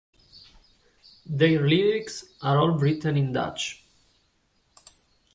Their lyrics are all written in Dutch.